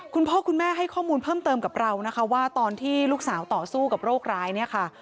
คุณพ่อคุณแม่ให้ข้อมูลเพิ่มเติมกับเรานะคะว่าตอนที่ลูกสาวต่อสู้กับโรคร้ายเนี่ยค่ะ